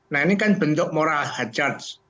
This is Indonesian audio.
nah ini kan bentuk moral hajat